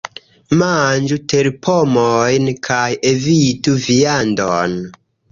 Manĝu terpomojn kaj evitu viandon.